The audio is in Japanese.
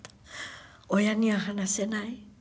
親には話せない。